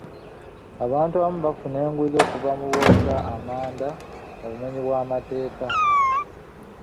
Abantu abamu bafuna enguzi okuva mu bookya amanda mu bumenyi bw'amateeka.